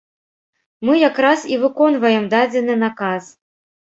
Мы як раз і выконваем дадзены наказ.